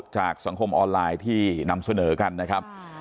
จากสังคมออนไลน์ที่นำเสนอกันนะครับ